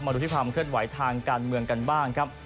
ดูที่ความเคลื่อนไหวทางการเมืองกันบ้างครับ